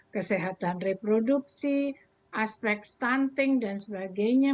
kesehatan reproduksi aspek stunting dan sebagainya